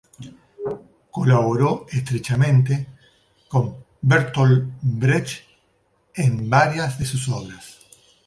Colaboró estrechamente con Bertolt Brecht en varias de sus obras.